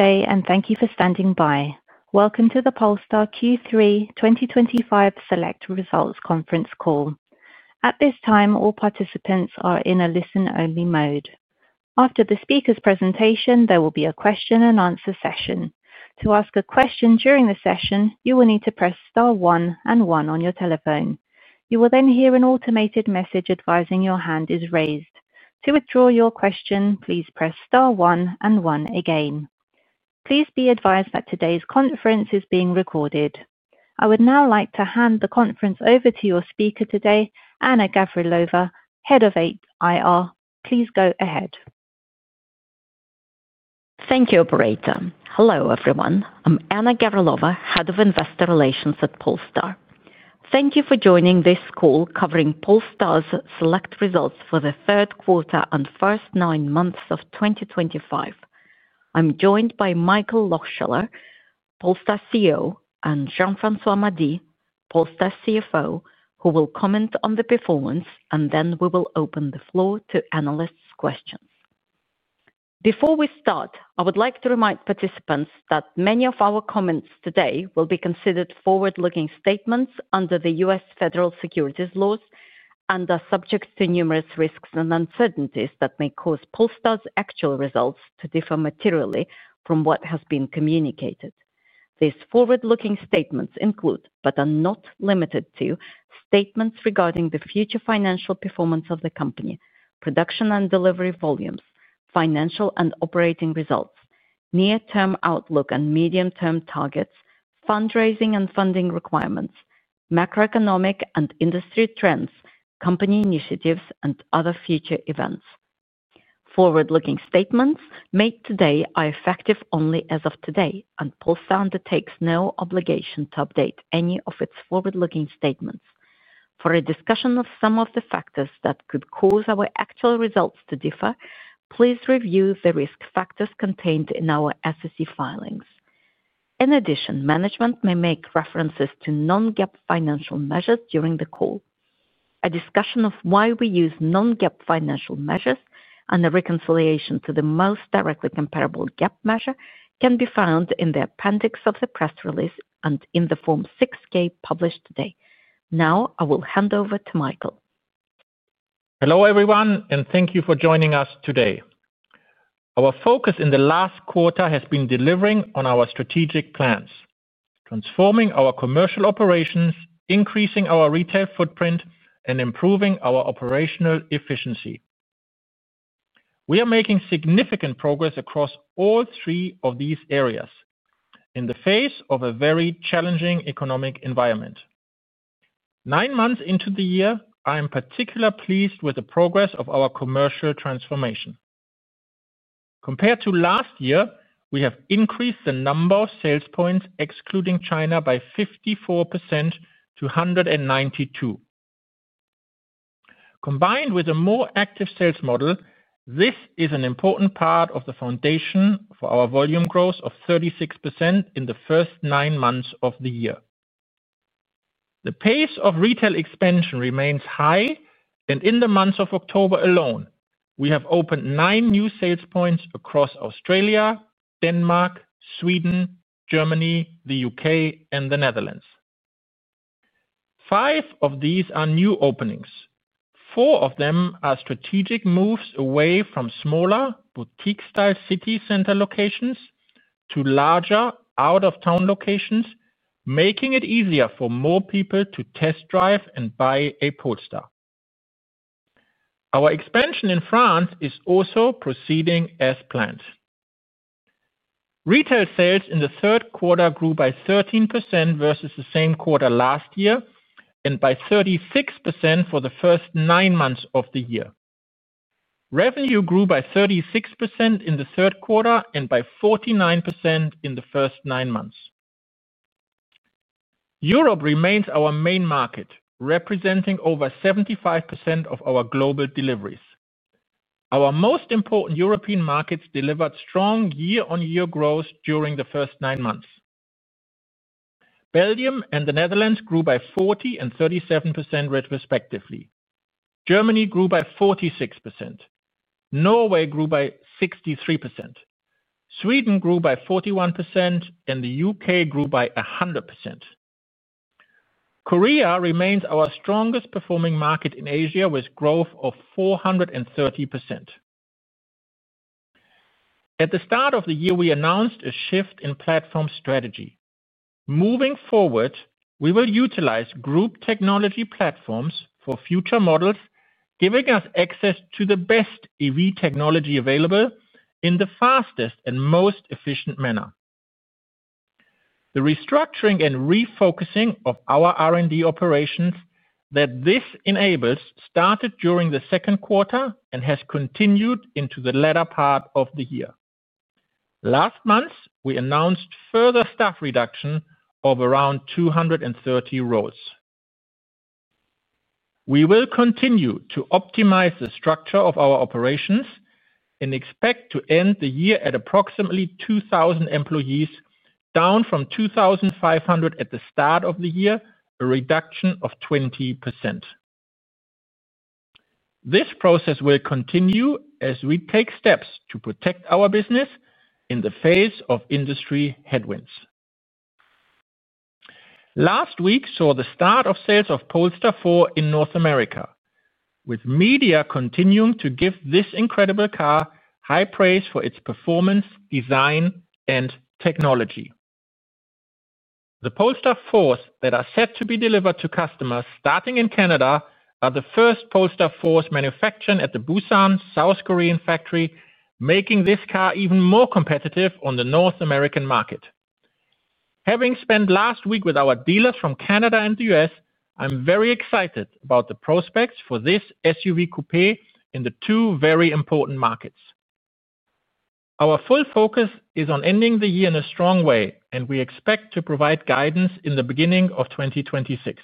Good day, and thank you for standing by. Welcome to the Polestar Q3 2025 Select Results Conference call. At this time, all participants are in a listen-only mode. After the speaker's presentation, there will be a question-and-answer session. To ask a question during the session, you will need to press Star 1 and 1 on your telephone. You will then hear an automated message advising your hand is raised. To withdraw your question, please press Star 1 and 1 again. Please be advised that today's conference is being recorded. I would now like to hand the conference over to your speaker today, Anna Gavrilova, Head of IR. Please go ahead. Thank you, Operator. Hello, everyone. I'm Anna Gavrilova, Head of Investor Relations at Polestar. Thank you for joining this call covering Polestar's select results for the third quarter and first nine months of 2025. I'm joined by Michael Lohscheller, Polestar CEO, and Jean-François Mady, Polestar CFO, who will comment on the performance, and then we will open the floor to analysts' questions. Before we start, I would like to remind participants that many of our comments today will be considered forward-looking statements under the U.S. federal securities laws and are subject to numerous risks and uncertainties that may cause Polestar's actual results to differ materially from what has been communicated. These forward-looking statements include, but are not limited to, statements regarding the future financial performance of the company, production and delivery volumes, financial and operating results, near-term outlook and medium-term targets, fundraising and funding requirements, macroeconomic and industry trends, company initiatives, and other future events. Forward-looking statements made today are effective only as of today, and Polestar undertakes no obligation to update any of its forward-looking statements. For a discussion of some of the factors that could cause our actual results to differ, please review the risk factors contained in our SEC filings. In addition, management may make references to non-GAAP financial measures during the call. A discussion of why we use non-GAAP financial measures and a reconciliation to the most directly comparable GAAP measure can be found in the appendix of the press release and in the Form 6-K published today. Now, I will hand over to Michael. Hello, everyone, and thank you for joining us today. Our focus in the last quarter has been delivering on our strategic plans, transforming our commercial operations, increasing our retail footprint, and improving our operational efficiency. We are making significant progress across all three of these areas in the face of a very challenging economic environment. Nine months into the year, I am particularly pleased with the progress of our commercial transformation. Compared to last year, we have increased the number of sales points, excluding China, by 54% to 192. Combined with a more active sales model, this is an important part of the foundation for our volume growth of 36% in the first nine months of the year. The pace of retail expansion remains high, and in the months of October alone, we have opened nine new sales points across Australia, Denmark, Sweden, Germany, the U.K., and the Netherlands. Five of these are new openings. Four of them are strategic moves away from smaller, boutique-style city center locations to larger, out-of-town locations, making it easier for more people to test drive and buy a Polestar. Our expansion in France is also proceeding as planned. Retail sales in the third quarter grew by 13% versus the same quarter last year and by 36% for the first nine months of the year. Revenue grew by 36% in the third quarter and by 49% in the first nine months. Europe remains our main market, representing over 75% of our global deliveries. Our most important European markets delivered strong year-on-year growth during the first nine months. Belgium and the Netherlands grew by 40% and 37%, respectively. Germany grew by 46%. Norway grew by 63%. Sweden grew by 41%, and the U.K. grew by 100%. Korea remains our strongest performing market in Asia with growth of 430%. At the start of the year, we announced a shift in platform strategy. Moving forward, we will utilize group technology platforms for future models, giving us access to the best EV technology available in the fastest and most efficient manner. The restructuring and refocusing of our R&D operations that this enables started during the second quarter and has continued into the latter part of the year. Last month, we announced further staff reduction of around 230 roles. We will continue to optimize the structure of our operations and expect to end the year at approximately 2,000 employees, down from 2,500 at the start of the year, a reduction of 20%. This process will continue as we take steps to protect our business in the face of industry headwinds. Last week saw the start of sales of Polestar 4 in North America, with media continuing to give this incredible car high praise for its performance, design, and technology. The Polestar 4s that are set to be delivered to customers starting in Canada are the first Polestar 4s manufactured at the Busan, South Korean factory, making this car even more competitive on the North American market. Having spent last week with our dealers from Canada and the U.S., I'm very excited about the prospects for this SUV coupé in the two very important markets. Our full focus is on ending the year in a strong way, and we expect to provide guidance in the beginning of 2026.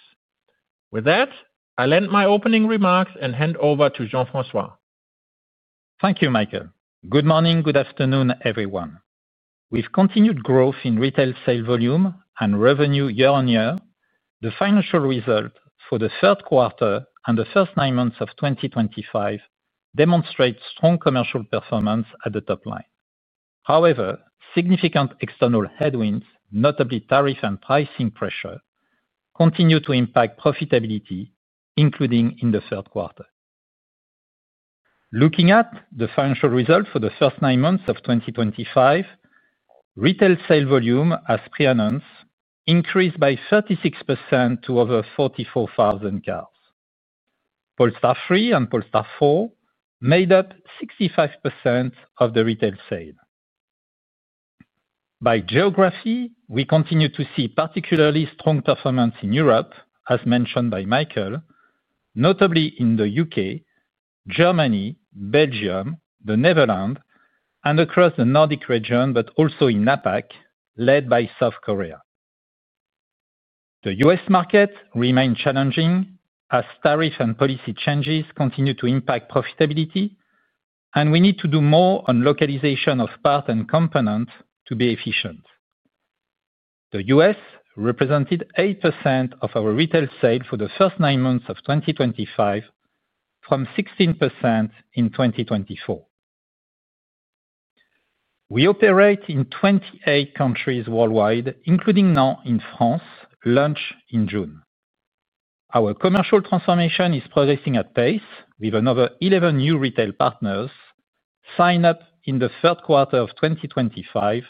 With that, I'll end my opening remarks and hand over to Jean-François. Thank you, Michael. Good morning, good afternoon, everyone. With continued growth in retail sales volume and revenue year-on-year, the financial results for the third quarter and the first nine months of 2025 demonstrate strong commercial performance at the top line. However, significant external headwinds, notably tariff and pricing pressure, continue to impact profitability, including in the third quarter. Looking at the financial results for the first nine months of 2025, retail sales volume, as pre-announced, increased by 36% to over 44,000 cars. Polestar 3 and Polestar 4 made up 65% of the retail sale. By geography, we continue to see particularly strong performance in Europe, as mentioned by Michael, notably in the U.K., Germany, Belgium, the Netherlands, and across the Nordic region, but also in NAPAC, led by South Korea. The U.S. market remains challenging as tariff and policy changes continue to impact profitability, and we need to do more on localization of parts and components to be efficient. The U.S. represented 8% of our retail sales for the first nine months of 2025, from 16% in 2024. We operate in 28 countries worldwide, including now in France, launch in June. Our commercial transformation is progressing at pace with another 11 new retail partners signed up in the third quarter of 2025,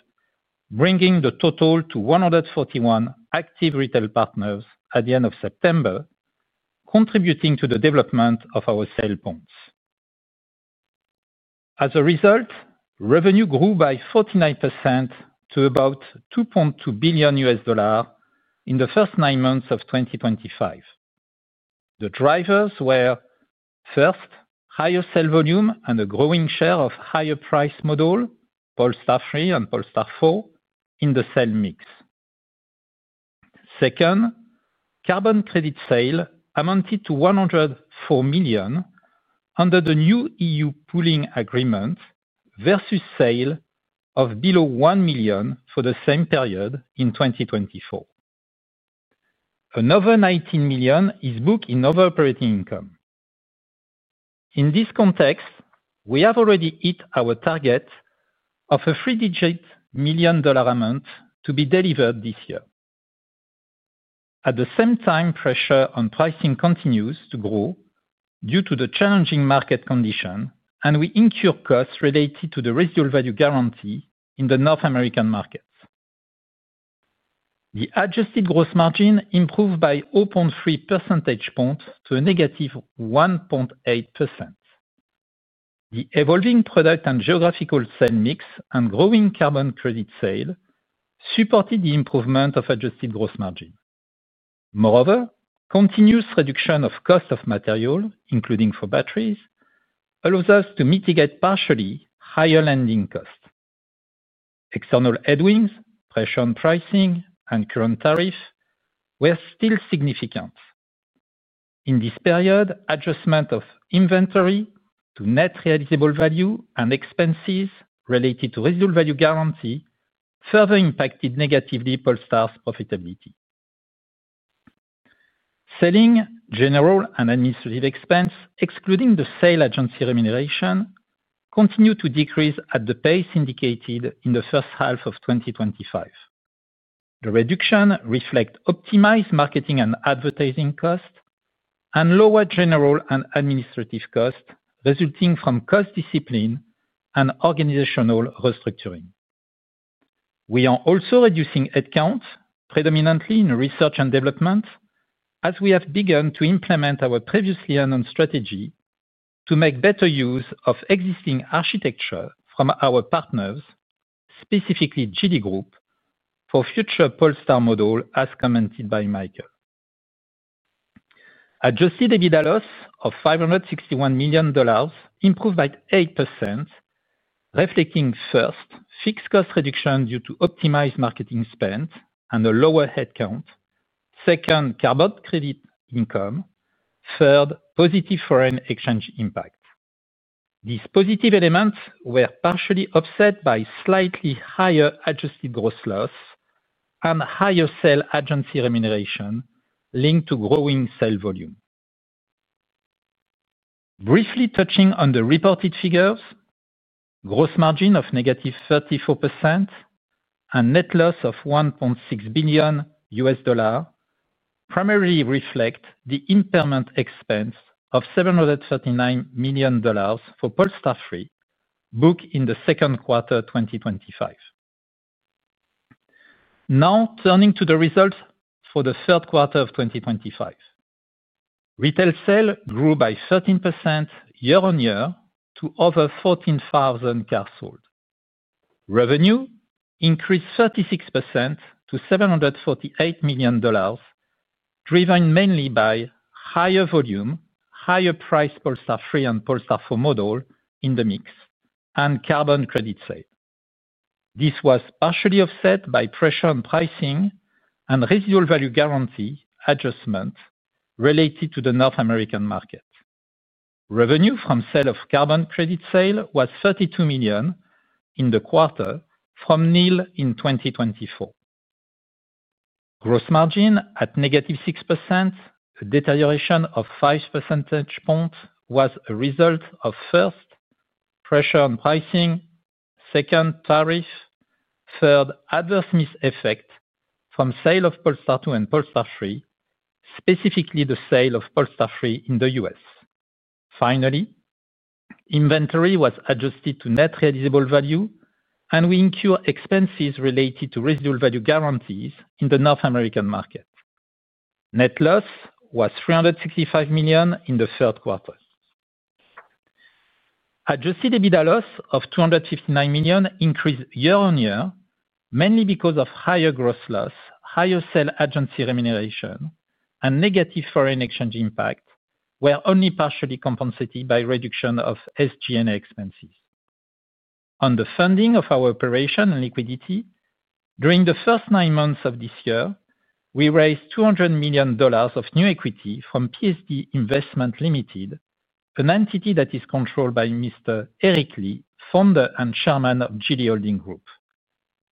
bringing the total to 141 active retail partners at the end of September, contributing to the development of our sales points. As a result, revenue grew by 49% to about $2.2 billion in the first nine months of 2025. The drivers were, first, higher sales volume and a growing share of higher price model, Polestar 3 and Polestar 4, in the sale mix. Second, carbon credit sales amounted to $104 million under the new EU pooling agreement versus sales of below $1 million for the same period in 2024. Another $19 million is booked in over-operating income. In this context, we have already hit our target of a three-digit million-dollar amount to be delivered this year. At the same time, pressure on pricing continues to grow due to the challenging market condition, and we incur costs related to the resale value guarantee in the North American markets. The adjusted gross margin improved by 0.3 percentage points to a -1.8%. The evolving product and geographical sale mix and growing carbon credit sale supported the improvement of adjusted gross margin. Moreover, continuous reduction of cost of material, including for batteries, allows us to mitigate partially higher lending costs. External headwinds, pressure on pricing, and current tariffs were still significant. In this period, adjustment of inventory to net realizable value and expenses related to resale value guarantee further impacted negatively Polestar's profitability. Selling, general and administrative expense, excluding the sale agency remuneration, continued to decrease at the pace indicated in the first half of 2025. The reduction reflects optimized marketing and advertising costs and lower general and administrative costs resulting from cost discipline and organizational restructuring. We are also reducing headcount, predominantly in research and development, as we have begun to implement our previously announced strategy to make better use of existing architecture from our partners, specifically GD Group, for future Polestar model, as commented by Michael. Adjusted EBITDA loss of $561 million improved by 8%, reflecting first, fixed cost reduction due to optimized marketing spend and a lower headcount; second, carbon credit income; third, positive foreign exchange impact. These positive elements were partially offset by slightly higher adjusted gross loss and higher sale agency remuneration linked to growing sale volume. Briefly touching on the reported figures, gross margin of -34% and net loss of $1.6 billion U.S. dollars primarily reflect the impairment expense of $739 million for Polestar 3 booked in the second quarter 2025. Now, turning to the results for the third quarter of 2025. Retail sales grew by 13% year-on-year to over 14,000 cars sold. Revenue increased 36% to $748 million, driven mainly by higher volume, higher price Polestar 3 and Polestar 4 model in the mix, and carbon credit sale. This was partially offset by pressure on pricing and resale value guarantee adjustment related to the North American market. Revenue from sale of carbon credit sale was $32 million in the quarter from nil in 2024. Gross margin at -6%, a deterioration of 5 percentage points, was a result of, first, pressure on pricing, second, tariff, third, adverse mix effect from sale of Polestar 2 and Polestar 3, specifically the sale of Polestar 3 in the U.S. Finally, inventory was adjusted to net realizable value, and we incurred expenses related to resale value guarantees in the North American market. Net loss was $365 million in the third quarter. Adjusted EBITDA loss of $259 million increased year-on-year, mainly because of higher gross loss, higher sale agency remuneration, and negative foreign exchange impact, which were only partially compensated by reduction of SG&A expenses. On the funding of our operation and liquidity, during the first nine months of this year, we raised $200 million of new equity from PSD Investment Limited, an entity that is controlled by Mr. Eric Li, founder and chairman of Geely Holding Group.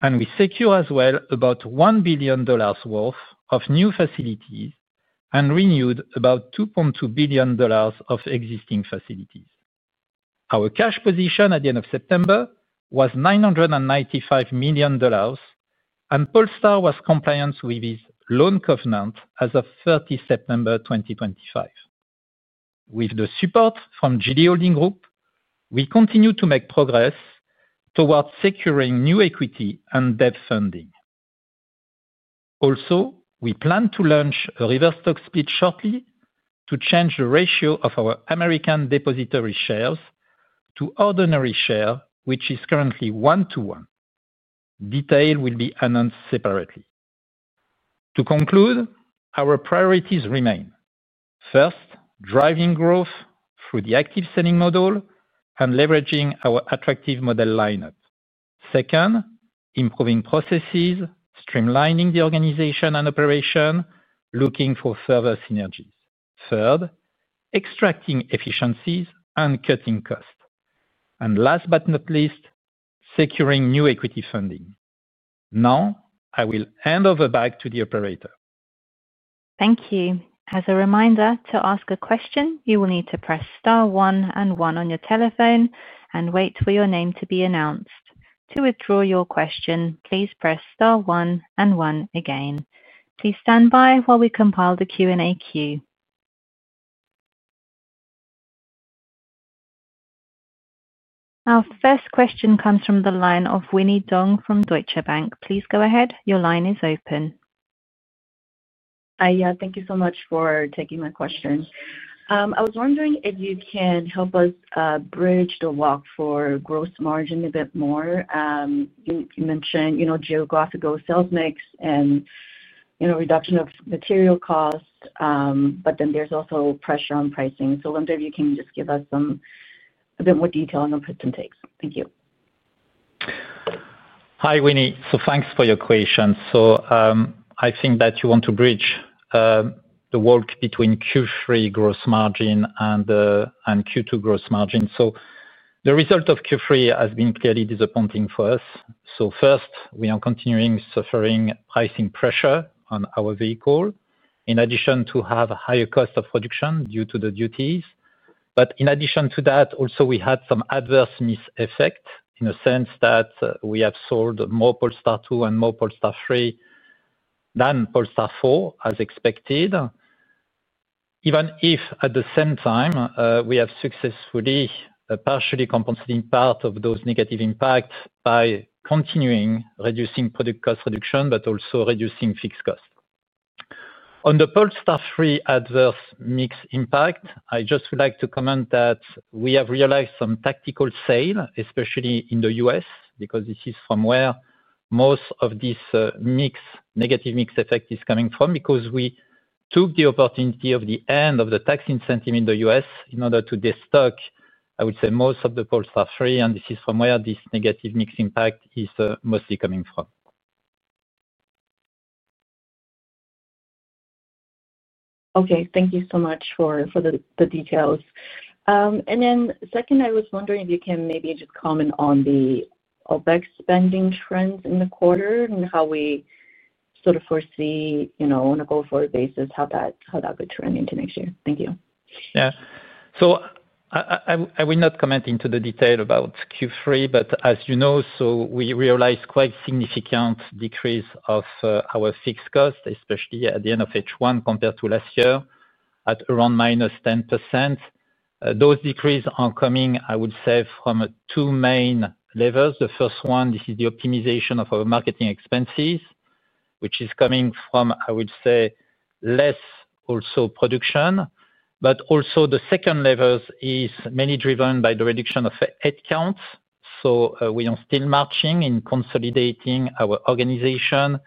We secured as well about $1 billion worth of new facilities and renewed about $2.2 billion of existing facilities. Our cash position at the end of September was $995 million, and Polestar was compliant with its loan covenant as of 30 September 2025. With the support from GD Group, we continue to make progress towards securing new equity and debt funding. Also, we plan to launch a reverse stock split shortly to change the ratio of our American depositary shares to ordinary shares, which is currently one-to-one. Detail will be announced separately. To conclude, our priorities remain. First, driving growth through the active selling model and leveraging our attractive model lineup. Second, improving processes, streamlining the organization and operation, looking for further synergies. Third, extracting efficiencies and cutting costs. Last but not least, securing new equity funding. Now, I will hand over back to the operator. Thank you. As a reminder, to ask a question, you will need to press star one and one on your telephone and wait for your name to be announced. To withdraw your question, please press star one and one again. Please stand by while we compile the Q&A queue. Our first question comes from the line of Winnie Dong from Deutsche Bank. Please go ahead. Your line is open. Hi, yeah, thank you so much for taking my question. I was wondering if you can help us bridge the walk for gross margin a bit more. You mentioned geographical sales mix and reduction of material costs, but then there's also pressure on pricing. I wonder if you can just give us a bit more detail on the pros and cons. Thank you. Hi, Winnie. Thanks for your question. I think that you want to bridge the walk between Q3 gross margin and Q2 gross margin. The result of Q3 has been clearly disappointing for us. First, we are continuing suffering pricing pressure on our vehicle in addition to having a higher cost of production due to the duties. In addition to that, we had some adverse mix effect in the sense that we have sold more Polestar 2 and more Polestar 3 than Polestar 4, as expected, even if at the same time we have successfully partially compensated part of those negative impacts by continuing reducing product cost reduction, but also reducing fixed cost. On the Polestar 3 adverse mix impact, I just would like to comment that we have realized some tactical sale, especially in the U.S., because this is from where most of this negative mix effect is coming from, because we took the opportunity of the end of the tax incentive in the U.S. in order to destock, I would say, most of the Polestar 3, and this is from where this negative mix impact is mostly coming from. Okay, thank you so much for the details. I was wondering if you can maybe just comment on the OpEx spending trends in the quarter and how we sort of foresee on a go-forward basis how that would trend into next year. Thank you. Yeah. I will not comment into the detail about Q3, but as you know, we realized quite a significant decrease of our fixed cost, especially at the end of H1 compared to last year at around -10%. Those decreases are coming, I would say, from two main levels. The first one, this is the optimization of our marketing expenses, which is coming from, I would say, less also production. Also, the second level is mainly driven by the reduction of headcounts. We are still marching in consolidating our organization,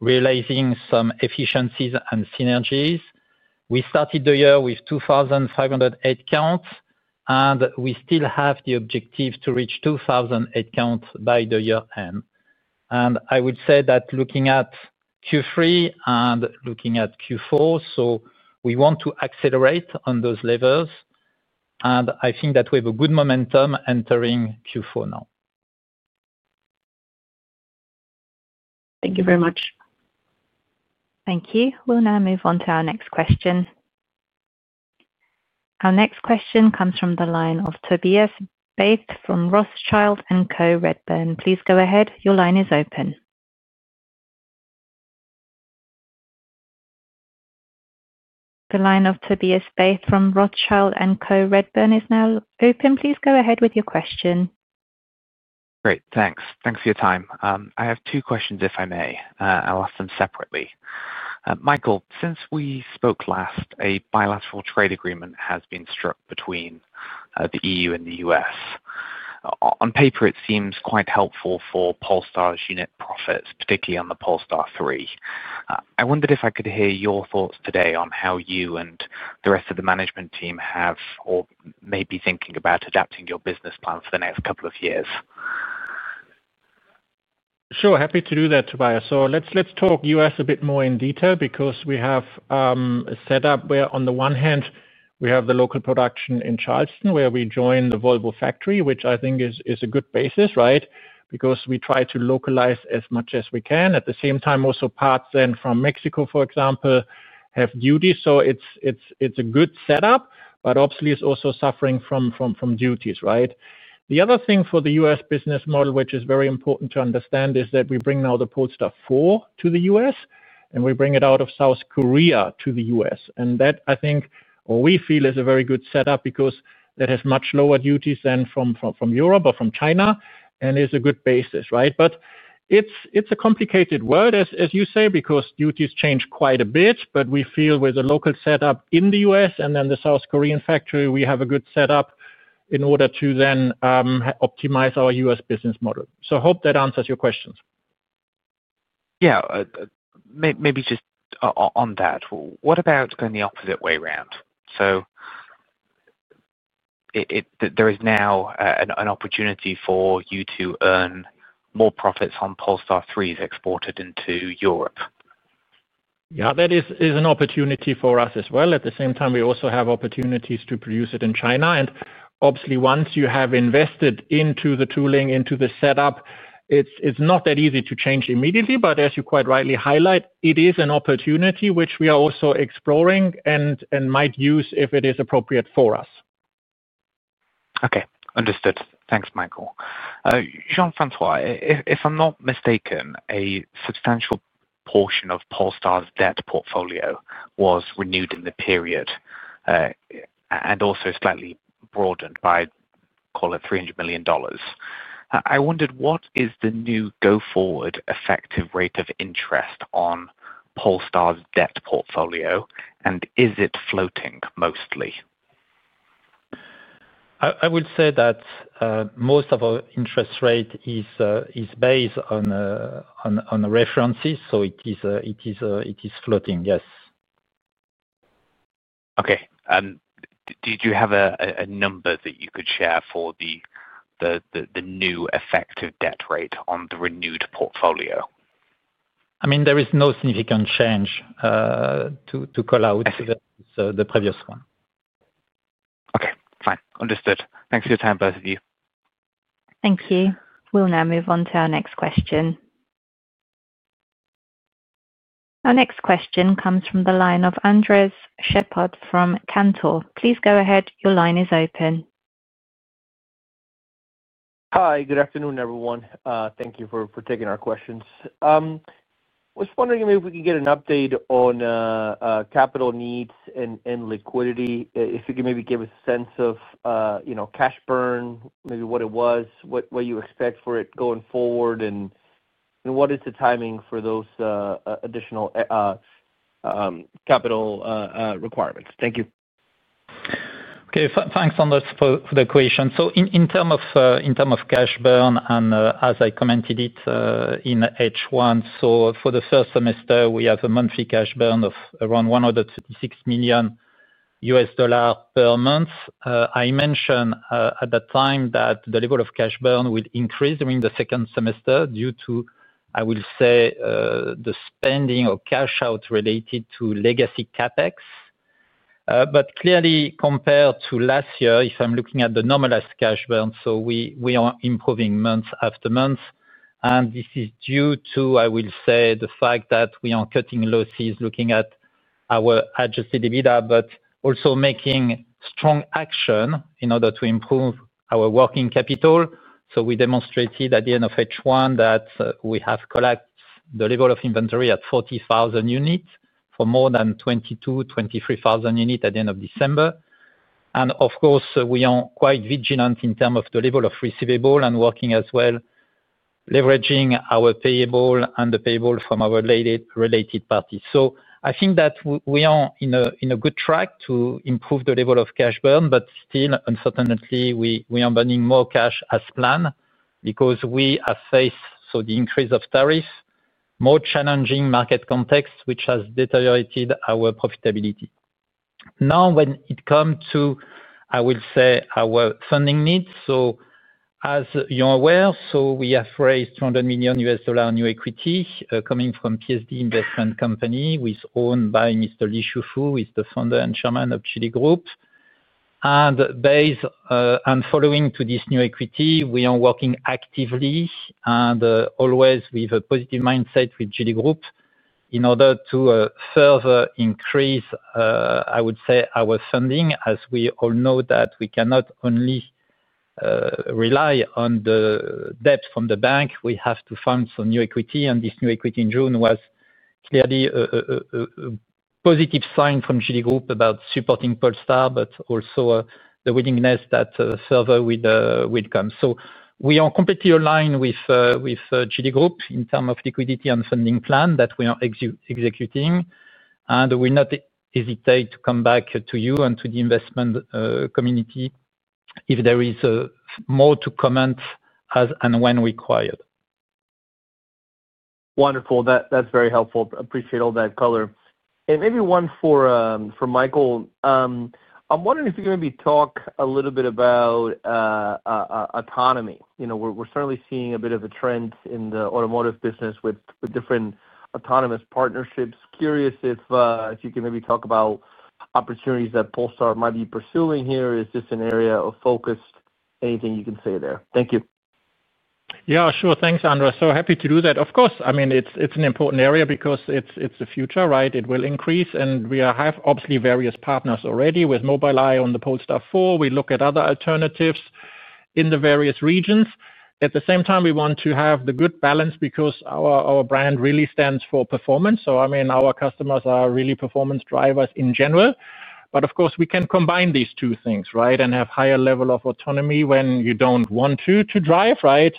realizing some efficiencies and synergies. We started the year with 2,500 headcounts, and we still have the objective to reach 2,000 headcounts by the year end. I would say that looking at Q3 and looking at Q4, we want to accelerate on those levels, and I think that we have a good momentum entering Q4 now. Thank you very much. Thank you. We'll now move on to our next question. Our next question comes from the line of Tobias Beith from Rothschild & Co. Redburn. Please go ahead. Your line is open. The line of Tobias Beith from Rothschild & Co. Redburn is now open. Please go ahead with your question. Great. Thanks. Thanks for your time. I have two questions, if I may. I'll ask them separately. Michael, since we spoke last, a bilateral trade agreement has been struck between the EU and the U.S. On paper, it seems quite helpful for Polestar's unit profits, particularly on the Polestar 3. I wondered if I could hear your thoughts today on how you and the rest of the management team have or may be thinking about adapting your business plan for the next couple of years. Sure. Happy to do that, Tobias. Let's talk U.S. a bit more in detail because we have a setup where, on the one hand, we have the local production in Charleston where we join the Volvo factory, which I think is a good basis, right? We try to localize as much as we can. At the same time, also parts then from Mexico, for example, have duties. It is a good setup, but obviously it is also suffering from duties, right? The other thing for the U.S. business model, which is very important to understand, is that we bring now the Polestar 4 to the U.S., and we bring it out of South Korea to the U.S. That, I think, or we feel is a very good setup because that has much lower duties than from Europe or from China and is a good basis, right? It's a complicated world, as you say, because duties change quite a bit, but we feel with a local setup in the U.S. and then the South Korean factory, we have a good setup in order to then optimize our U.S. business model. I hope that answers your questions. Yeah. Maybe just on that, what about going the opposite way around? There is now an opportunity for you to earn more profits on Polestar 3s exported into Europe. Yeah, that is an opportunity for us as well. At the same time, we also have opportunities to produce it in China. Obviously, once you have invested into the tooling, into the setup, it's not that easy to change immediately, but as you quite rightly highlight, it is an opportunity which we are also exploring and might use if it is appropriate for us. Okay. Understood. Thanks, Michael. Jean-François, if I'm not mistaken, a substantial portion of Polestar's debt portfolio was renewed in the period and also slightly broadened by, call it, $300 million. I wondered, what is the new go-forward effective rate of interest on Polestar's debt portfolio, and is it floating mostly? I would say that most of our interest rate is based on references, so it is floating, yes. Okay. Did you have a number that you could share for the new effective debt rate on the renewed portfolio? I mean, there is no significant change to call out to the previous one. Okay. Fine. Understood. Thanks for your time, both of you. Thank you. We'll now move on to our next question. Our next question comes from the line of Andres Sheppard from Cantor. Please go ahead. Your line is open. Hi, good afternoon, everyone. Thank you for taking our questions. I was wondering if we could get an update on capital needs and liquidity, if you could maybe give us a sense of cash burn, maybe what it was, what you expect for it going forward, and what is the timing for those additional capital requirements. Thank you. Okay. Thanks, Andres, for the question. In terms of cash burn and as I commented it in H1, for the first semester, we have a monthly cash burn of around $136 million per month. I mentioned at that time that the level of cash burn will increase during the second semester due to, I will say, the spending of cash out related to legacy CapEx. Clearly, compared to last year, if I'm looking at the normalized cash burn, we are improving month after month, and this is due to, I will say, the fact that we are cutting losses looking at our adjusted EBITDA, but also making strong action in order to improve our working capital. We demonstrated at the end of H1 that we have collected the level of inventory at 40,000 units for more than 22,000 units-23,000 units at the end of December. Of course, we are quite vigilant in terms of the level of receivable and working as well leveraging our payable and the payable from our related parties. I think that we are on a good track to improve the level of cash burn, but still, unfortunately, we are burning more cash as planned because we have faced the increase of tariffs, more challenging market context, which has deteriorated our profitability. Now, when it comes to, I will say, our funding needs, as you're aware, we have raised $200 million in new equity coming from PSD Investment Company who is owned by Mr. Li Shufu, who is the founder and chairman of GD Group. Based and following this new equity, we are working actively and always with a positive mindset with GD Group in order to further increase, I would say, our funding, as we all know that we cannot only rely on the debt from the bank. We have to fund some new equity, and this new equity in June was clearly a positive sign from GD Group about supporting Polestar, but also the willingness that further will come. We are completely aligned with GD Group in terms of liquidity and funding plan that we are executing, and we will not hesitate to come back to you and to the investment community if there is more to comment as and when required. Wonderful. That's very helpful. Appreciate all that color. Maybe one for Michael. I'm wondering if you can maybe talk a little bit about autonomy. We're certainly seeing a bit of a trend in the automotive business with different autonomous partnerships. Curious if you can maybe talk about opportunities that Polestar might be pursuing here. Is this an area of focus? Anything you can say there? Thank you. Yeah, sure. Thanks, Andres. So happy to do that. Of course. I mean, it's an important area because it's the future, right? It will increase, and we have obviously various partners already with Mobileye on the Polestar 4. We look at other alternatives in the various regions. At the same time, we want to have the good balance because our brand really stands for performance. I mean, our customers are really performance drivers in general. Of course, we can combine these two things, right, and have a higher level of autonomy when you don't want to drive, right,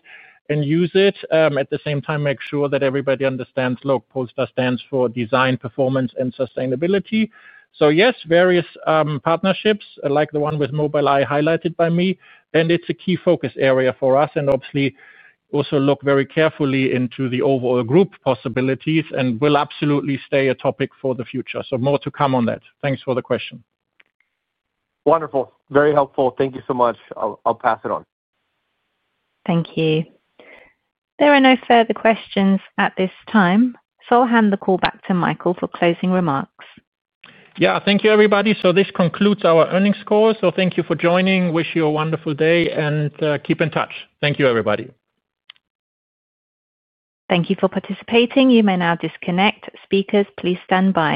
and use it. At the same time, make sure that everybody understands, look, Polestar stands for design, performance, and sustainability. Yes, various partnerships like the one with Mobileye highlighted by me, and it's a key focus area for us, and obviously also look very carefully into the overall group possibilities and will absolutely stay a topic for the future. More to come on that. Thanks for the question. Wonderful. Very helpful. Thank you so much. I'll pass it on. Thank you. There are no further questions at this time. I'll hand the call back to Michael for closing remarks. Yeah. Thank you, everybody. This concludes our earnings call. Thank you for joining. Wish you a wonderful day and keep in touch. Thank you, everybody. Thank you for participating. You may now disconnect. Speakers, please stand by.